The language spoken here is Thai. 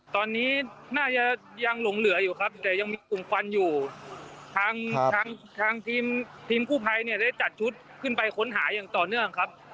ตอนนี้น่าจะยังหลงเหลืออยู่ครับแต่ยังมีกลุ่มควันอยู่ทางทางทีมทีมกู้ภัยเนี่ยได้จัดชุดขึ้นไปค้นหาอย่างต่อเนื่องครับ